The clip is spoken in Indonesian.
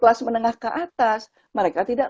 kelas menengah ke atas mereka tidak